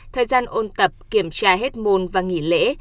thời gian ôn tập kiểm tra hết môn và nghỉ lễ